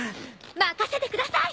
任せてください！